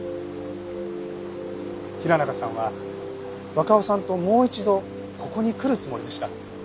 平中さんは若尾さんともう一度ここに来るつもりでした。